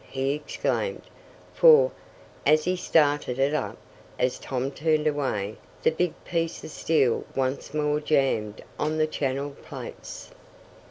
he exclaimed, for, as he started it up, as Tom turned away, the big piece of steel once more jammed on the channel plates.